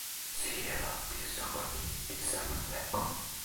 sijelo pi soko ni li sama leko.